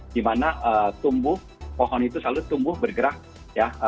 dimana tumbuh pohon itu selalu tumbuh bergerak ya